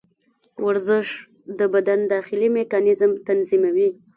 ورزش د بدن داخلي میکانیزم تنظیموي.